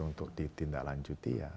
untuk ditindaklanjuti ya